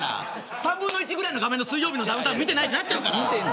３分の１ぐらいの画面の水曜日のダウンタウン見てないってなっちゃうから。